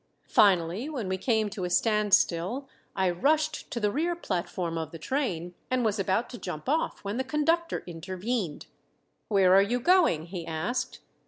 Finally when we came to a standstill I rushed to the rear platform of the train, and was about to jump off when the conductor intervened. "Where are you going?" he asked.